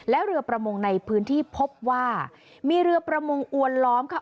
และเรือประมงในพื้นที่พบว่ามีเรือประมงอวนล้อมค่ะ